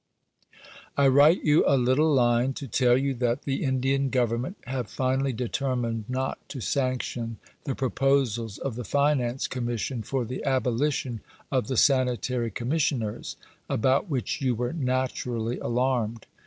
I write you a little line to tell you that the Indian Government have finally determined not to sanction the proposals of the Finance Commission for the abolition of the Sanitary Commissioners, about which you were naturally alarmed.